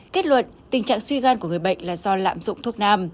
kết luận tình trạng suy gan của người bệnh là do lạm dụng thuốc nam